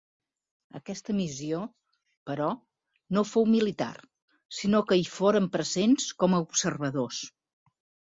Aquesta missió, però, no fou militar sinó que hi foren presents com a observadors.